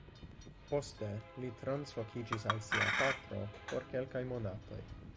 Poste li translokiĝis al sia patro por kelkaj monatoj.